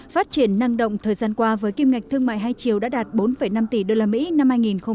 phát triển năng động thời gian qua với kim ngạch thương mại hai triệu đã đạt bốn năm tỷ usd năm hai nghìn một mươi tám